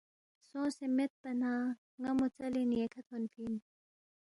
سونگسے میدپا نہ ن٘ا مو ژلین ییکھہ تھونفی اِن